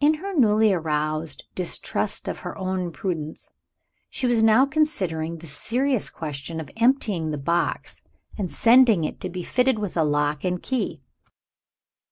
In her newly aroused distrust of her own prudence, she was now considering the serious question of emptying the box, and sending it to be fitted with a lock and key.